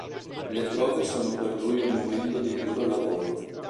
Le prove sono per lui un momento di duro lavoro.